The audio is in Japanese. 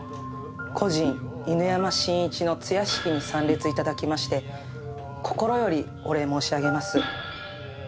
故人犬山真一の通夜式に参列いただきまして心よりお礼申し上げます